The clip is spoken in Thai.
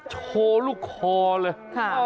ชอลุคคอชอลุคคอเลย